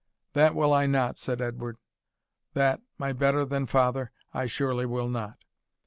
"That will I not," said Edward, "that, my better than father, I surely will not.